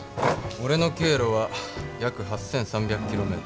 俺の経路は約８，３００キロメートル。